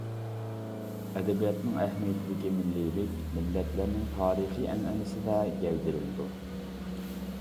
ئەدەبىياتنىڭ ئەھمىيىتىدىكى مىللىيلىك مىللەتلەرنىڭ تارىخىي ئەنئەنىسىدە گەۋدىلىنىدۇ.